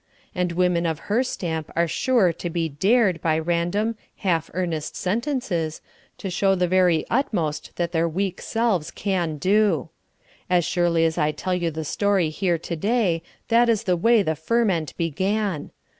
And women of her stamp are sure to be dared by random, half earnest sentences, to show the very utmost that their weak selves can do. As truly as I tell you the story here to day, that is the way the ferment began.